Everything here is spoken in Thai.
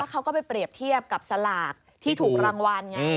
เขาก็ไปเปรียบเทียบกับสลากที่ถูกรางวัลไง